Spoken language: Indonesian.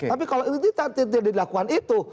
tapi kalau itu tidak dilakukan itu